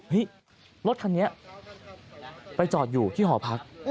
รถคันนี้ไปจอดอยู่ที่หอพัก